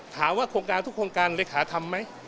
โครงการทุกโครงการเลขาทำไหม